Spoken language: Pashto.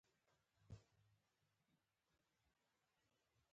یو کس چې نورګرام کې يې د خلکو مالونه په ماهرانه شکل غلا کول